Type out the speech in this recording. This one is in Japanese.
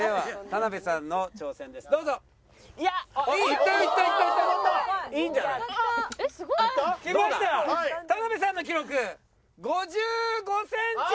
田辺さんの記録５５センチ。